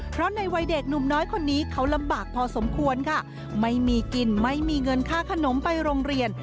เพราะในวัยเด็กหนุ่มน้อยคนนี้เขาลำบากพอสมควรค่ะไม่มีกินไม่มีเงินค่าขนมไปโรงเรียน